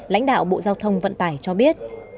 lãnh đạo bộ giao thông vận tải cho biết